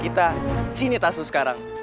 kita sini taso sekarang